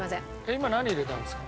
今何入れたんですか？